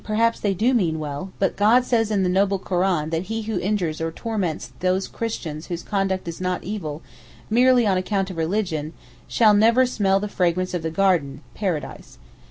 perhaps they do mean well, but God says in the Noble Koran that he who injures or torments those Christians whose conduct is not evil, merely on account of religion, shall never smell the fragrance of the Garden (paradise).